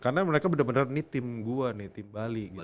karena mereka bener bener ini tim gua nih tim bali